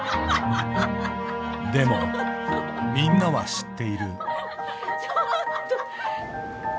でもみんなは知っている。